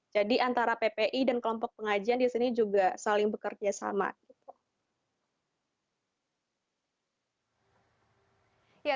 jadi antara ppi dan kelompok pengajian di sini juga saling bekerja sama